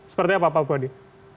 seperti apa pak wadi